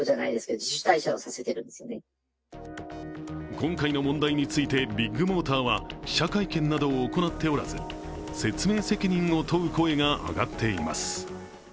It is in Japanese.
今回の問題について、ビッグモーターは記者会見などを行っておらず説明責任を問う声が上がっています。